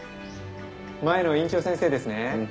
前の院長先生ですね。